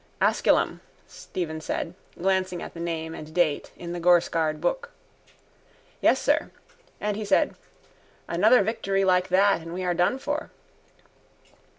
—Asculum, Stephen said, glancing at the name and date in the gorescarred book. —Yes, sir. And he said: _Another victory like that and we are done for.